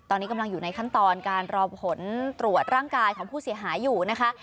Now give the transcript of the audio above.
ตอนนี้กำลังอยู่ในขั้นตอนการรอผลตรวจร่างกายของผู้เสียหายอยู่นะคะ